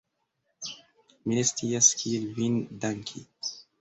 Mi ne scias, kiel vin danki!